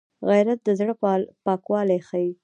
غیرت د زړه پاکوالی ښيي